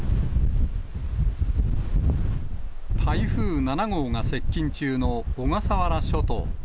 台風７号が接近中の小笠原諸島。